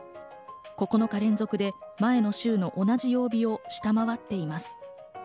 ９日連続で前の週の同じ曜日を下回っています。